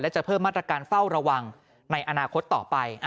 จะเพิ่มมาตรการเฝ้าระวังในอนาคตต่อไป